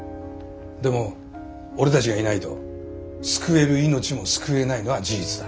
でも俺たちがいないと救える命も救えないのは事実だ。